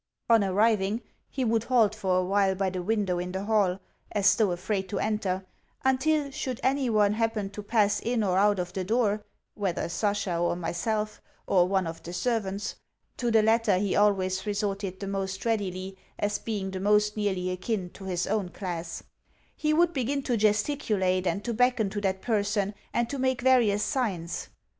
On arriving, he would halt for a while by the window in the hall, as though afraid to enter; until, should any one happen to pass in or out of the door whether Sasha or myself or one of the servants (to the latter he always resorted the most readily, as being the most nearly akin to his own class) he would begin to gesticulate and to beckon to that person, and to make various signs.